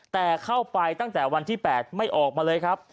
แต่เข้าไปตั้งแต่วันที่๘ไม่ออกมาเลยครับ